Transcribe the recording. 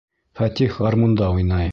Фәтих гармунда уйнай.